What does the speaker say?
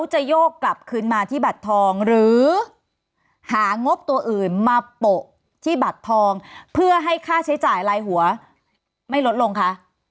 หรือหางบตัวอื่นมาปะที่บัตรทองเพื่อให้ค่าใช้จ่ายลายหัวไม่ลดลงค่ะ